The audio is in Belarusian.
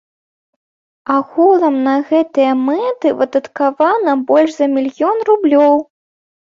Агулам на гэтыя мэты выдаткавана больш за мільён рублёў.